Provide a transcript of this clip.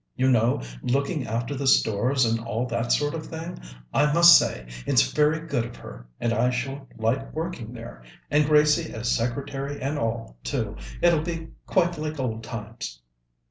You know, looking after the stores and all that sort of thing. I must say, it's very good of her, and I shall like working there and Gracie as secretary and all, too. It'll be quite like old times."